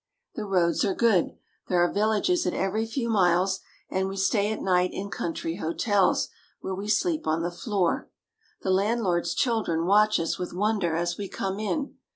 The roads are good. There are villages at every few miles, and we stay at night in country hotels, where we sleep on the floor. The landlord's children watch us with wonder as we come in.